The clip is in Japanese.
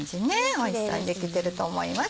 おいしそうにできてると思います。